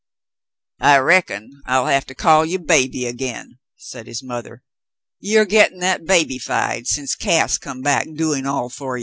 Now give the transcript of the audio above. "I reckon I'll have to call you 'baby' again," said his mother. " You're gettin' that babyfied since Cass come back doin' all fer ye.